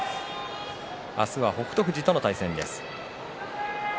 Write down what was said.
明日は北勝富士との対戦です。